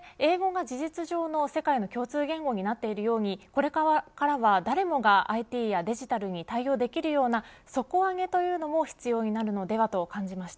加えて英語が事実上の世界の共通言語になっているようにこれからは誰もがＩＴやデジタルに対応できるような底上げというのも必要になるのではと感じました。